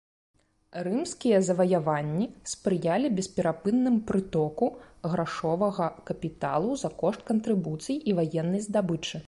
Рымскія заваяванні спрыялі бесперапынным прытоку грашовага капіталу за кошт кантрыбуцый і ваеннай здабычы.